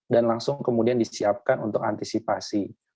dan langsung kemudian disiapkan untuk antisipasi